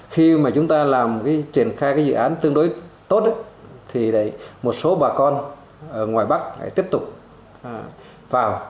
khi mà chúng ta làm triển khai cái dự án tương đối tốt thì một số bà con ở ngoài bắc lại tiếp tục vào